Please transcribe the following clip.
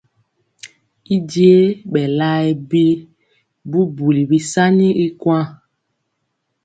Y b je bɛ laɛ bubuli bisaani y kuan.